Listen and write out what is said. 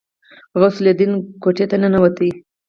غوث الدين کوټې ته ننوت.